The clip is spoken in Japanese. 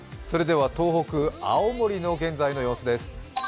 東北、青森の現在の様子です